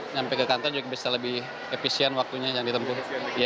sampai ke kantor juga bisa lebih efisien waktunya yang ditempuh